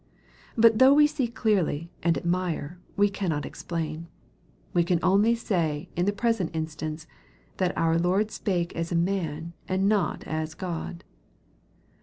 But though we see clearly, and admire, we cannot explain. We can only say, in the present instance, that our Lord spake as a man, and not as God.